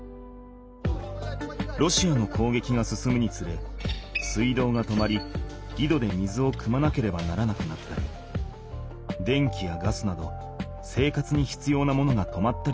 ロシアの攻撃が進むにつれ水道が止まりいどで水をくまなければならなくなったり電気やガスなど生活にひつようなものが止まったりする地域もふえてきた。